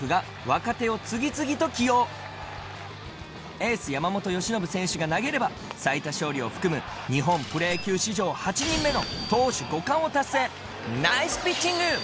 エース山本由伸選手が投げれば最多勝利を含む日本プロ野球史上８人目の投手５冠を達成。